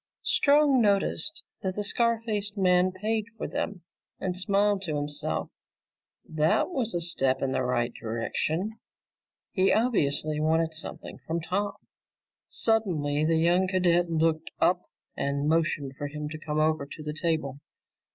Strong noticed that the scar faced man paid for them and smiled to himself. That was a step in the right direction. He obviously wanted something from Tom. Suddenly the young cadet looked up and motioned for him to come over to the table.